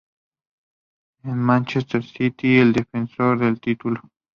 El Manchester City es el defensor del título.